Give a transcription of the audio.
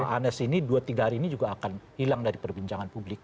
anies ini dua tiga hari ini juga akan hilang dari perbincangan publik